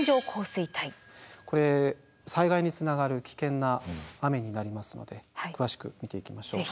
これ災害につながる危険な雨になりますので詳しく見ていきましょう。